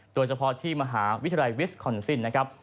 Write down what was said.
โดยเฉพาะที่มหาวิทยาลัยวิสคอนซินนะครับ